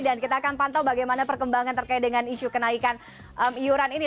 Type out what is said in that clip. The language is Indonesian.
dan kita akan pantau bagaimana perkembangan terkait dengan isu kenaikan iuran ini